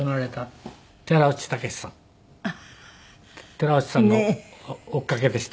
寺内さんの追っかけでした。